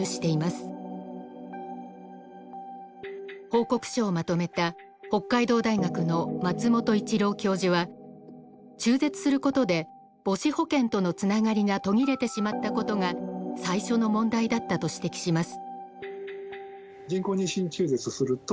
報告書をまとめた北海道大学の松本伊智朗教授は中絶することで母子保健とのつながりが途切れてしまったことが最初の問題だったと指摘します。